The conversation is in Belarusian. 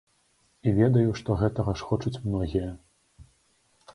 І ведаю, што гэтага ж хочуць многія.